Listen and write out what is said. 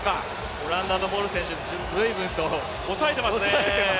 オランダのボル選手、随分と抑えていますね。